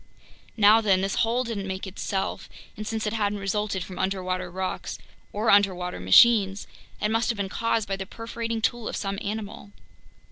Now then, this hole didn't make itself, and since it hadn't resulted from underwater rocks or underwater machines, it must have been caused by the perforating tool of some animal.